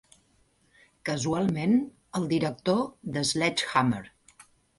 Casualment, el director de Sledge Hammer!